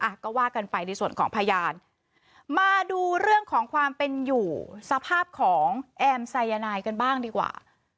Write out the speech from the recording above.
อ่ะก็ว่ากันไปในส่วนของพยานมาดูเรื่องของความเป็นอยู่สภาพของแอมไซยานายกันบ้างดีกว่า